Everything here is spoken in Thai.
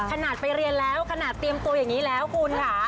ขนาดไปเรียนแล้วขนาดเตรียมตัวอย่างนี้แล้วคุณค่ะ